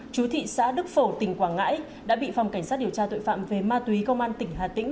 chú thị xã đức phổ tỉnh quảng ngãi đã bị phòng cảnh sát điều tra tội phạm về ma túy công an tỉnh hà tĩnh